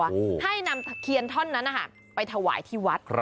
กับครอบครัวให้นำตะเคียนท่อนนั้นไปถวายที่วัด